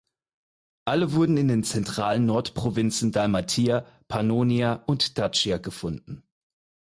Alle wurden in den zentralen Nordprovinzen Dalmatia Pannonia und Dacia gefunden.